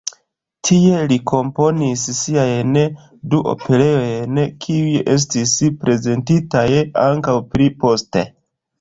Tie li komponis siajn du operojn, kiuj estis prezentitaj ankaŭ pli poste.